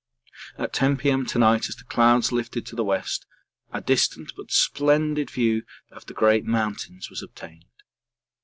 At 10 P.M. to night as the clouds lifted to the west a distant but splendid view of the great mountains was obtained.